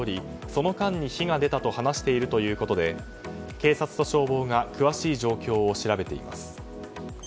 その間に火が出たと話しているということで警察と消防が詳しい状況を調べています。